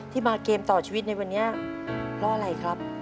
มาเกมต่อชีวิตในวันนี้เพราะอะไรครับ